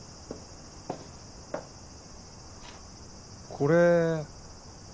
これ。